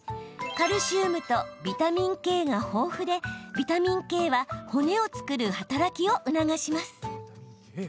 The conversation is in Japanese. カルシウムとビタミンＫが豊富でビタミンＫは骨を作る働きを促します。